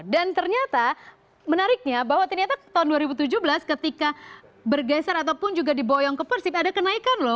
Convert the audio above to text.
dan ternyata menariknya bahwa ternyata tahun dua ribu tujuh belas ketika bergeser ataupun juga diboyong ke persib ada kenaikan loh